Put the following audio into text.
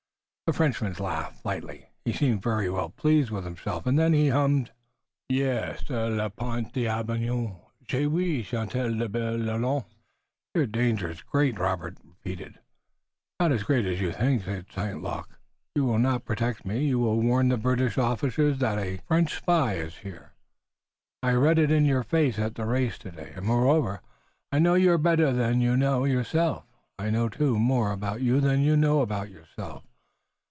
The Frenchman laughed lightly. He seemed very well pleased with himself, and then he hummed: "Hier sur le pont d'Avignon J'ai oui chanter la belle Lon, la." "Your danger is great!" repeated Robert. "Not as great as you think," said St. Luc. "You will not protect me. You will warn the British officers that a French spy is here. I read it in your face at the race today, and moreover, I know you better than you know yourself. I know, too, more about you than you know about yourself.